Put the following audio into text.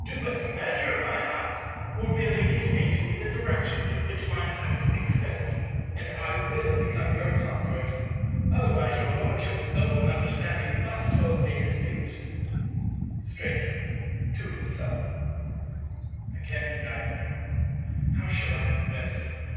Do but measure my "height," or merely indicate to me the direction in which my "height" extends, and I will become your convert. Otherwise, your Lordship's own understand must hold me excused. Stranger. (to himself.) I can do neither. How shall I convince him?